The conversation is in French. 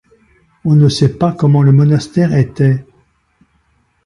On ne sait pas comment le monastère était.